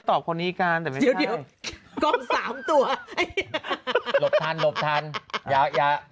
ตรงนี้คอแารดับแม่